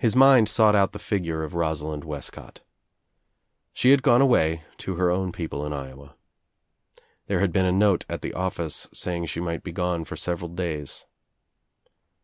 His mind sought out the figure of Rosalind Wescott She had gone away, to her own people in Iowa. There had been a note at the office saying she might be gone for several days.